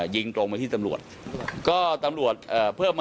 บิ๊กโจ๊กครับ